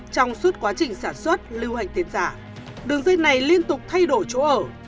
trong suốt quá trình sản xuất lưu hành tiền giả đường dây này liên tục thay đổi chỗ ở